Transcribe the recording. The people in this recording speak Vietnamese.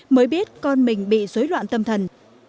mới biết con mình bị dối loạn tâm thần